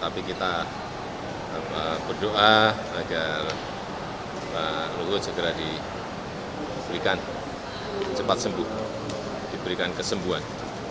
tapi kita berdoa agar pak luhut segera diberikan cepat sembuh diberikan kesembuhan